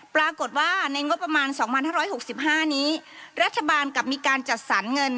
ปรากฏว่าในงบประมาณสองพันห้าร้อยหกสิบห้านี้รัฐบาลกับมีการจัดสรรเงิน